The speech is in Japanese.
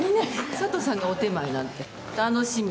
佐都さんがお点前なんて楽しみだわ。